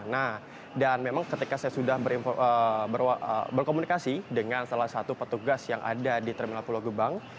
nah dan memang ketika saya sudah berkomunikasi dengan salah satu petugas yang ada di terminal pulau gebang